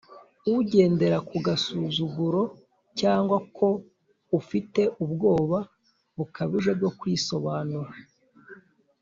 ugendera ku gasuzuguro cyangwa ko ufite ubwoba bukabije bwo kwisobanura?